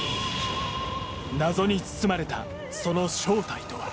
謎に包まれたその正体とは？